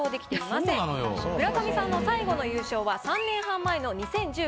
村上さんの最後の優勝は３年半前の。